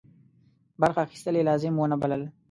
برخه اخیستل یې لازم ونه بلل.